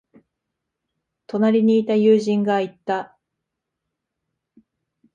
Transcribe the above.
隣にいた友人が言った。